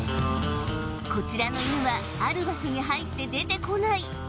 こちらの犬はある場所に入って出てこない